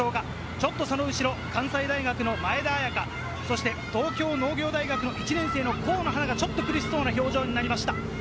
ちょっとその後ろ、関西大学の前田彩花、そして東京農業大学の１年生の河野花がちょっと苦しそうな表情になりました。